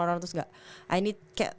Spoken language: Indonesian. terus gak i need kayak